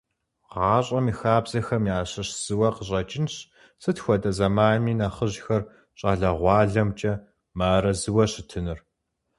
ГъащӀэм и хабзэхэм ящыщ зыуэ къыщӀэкӀынщ, сыт хуэдэ зэманми нэхъыжьхэр щӀалэгъуалэмкӀэ мыарэзыуэ щытыныр.